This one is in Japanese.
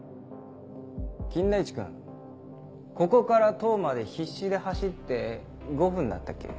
金田一君ここから塔まで必死で走って５分だったっけ？